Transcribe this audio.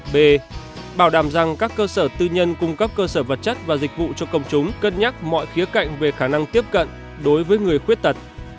b bảo đảm rằng các cơ sở tư nhân cung cấp cơ sở vật chất và dịch vụ cho công chúng cân nhắc mọi khía cạnh về khả năng tiếp cận đối với người khuyết tật